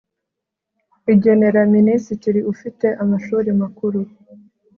Igenera Minisitiri ufite amashuri makuru